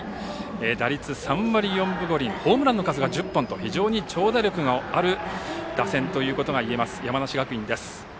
打率３割４分５厘ホームランの数が１０本と非常に長打力のある打線ということがいえる山梨学院です。